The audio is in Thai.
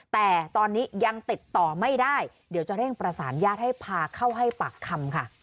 แต่ตอนนี้ยังติดต่อไม่ได้เดี๋ยวจะเร่งประสานญาติให้พาเข้าให้ปากคำค่ะ